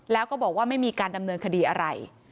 แล้วก็บอกว่าไม่มีการดำเนินคดีอะไร